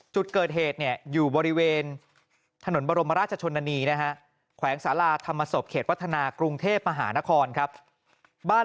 จุดเกิดเหตุเนี่ยอยู่บริเวณถนนบรมราชชนนานีนะฮะแขวงศาลาธรรมศพเขตวัฒนากรุงเทพมหานครครับบ้าน